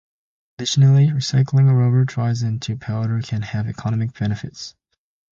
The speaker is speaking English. Additionally, recycling rubber tires into powder can have economic benefits.